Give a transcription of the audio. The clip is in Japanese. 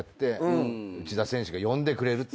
内田選手が呼んでくれるって。